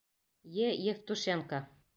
Е. Евтушенко